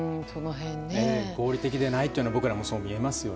合理的でないというのは僕らもそう見えますよね。